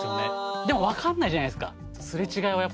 でもわかんないじゃないですか。